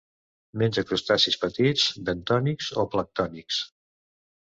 Menja crustacis petits bentònics o planctònics.